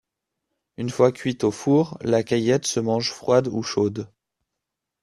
Une fois cuite au four, la caillette se mange froide ou chaude.